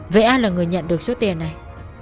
vậy ai là người nhận được số tiền này